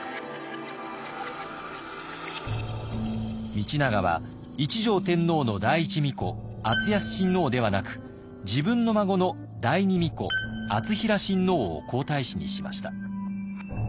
道長は一条天皇の第一皇子敦康親王ではなく自分の孫の第二皇子敦成親王を皇太子にしました。